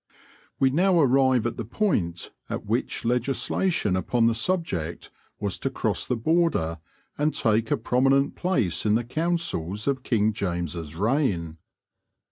We now arrive at the point at which legislation upon the subject was to cross the border and take a prominent place in the counsels of King James' reign.